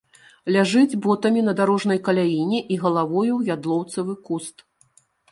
Ляжыць ботамі на дарожнай каляіне і галавою ў ядлоўцавы куст.